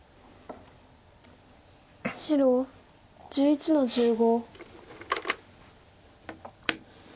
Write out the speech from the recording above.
白１１の十五。